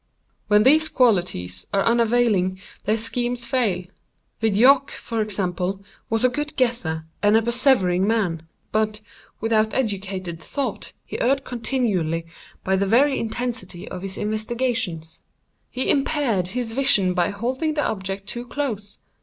When these qualities are unavailing, their schemes fail. Vidocq, for example, was a good guesser and a persevering man. But, without educated thought, he erred continually by the very intensity of his investigations. He impaired his vision by holding the object too close.